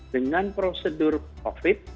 dengan prosedur covid sembilan belas